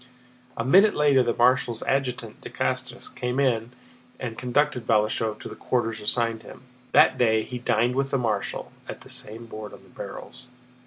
A minute later the marshal's adjutant, de Castrès, came in and conducted Balashëv to the quarters assigned him. That day he dined with the marshal, at the same board on the barrels.